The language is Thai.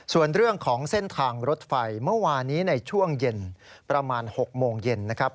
ส่วนเรื่องของเส้นทางรถไฟเมื่อวานี้ในช่วงเย็นประมาณ๖โมงเย็นนะครับ